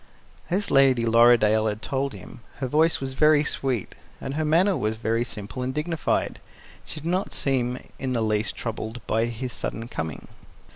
As Lady Lorridaile had told him, her voice was very sweet, and her manner was very simple and dignified. She did not seem in the least troubled by his sudden coming.